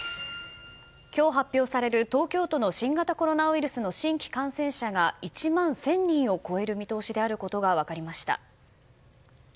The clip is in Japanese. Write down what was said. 今日、発表される東京都の新型コロナウイルスの新規感染者が１万１０００人を超える見通しであることが分かりました。